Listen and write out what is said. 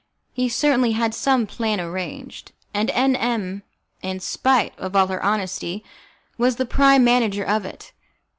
He certainly had some plan arranged, and M M , in spite of all her honesty, was the prime manager of it.